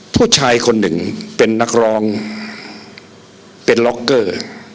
ผู้ชายคนหนึ่งเป็นนักร้องเป็นล็อกเกอร์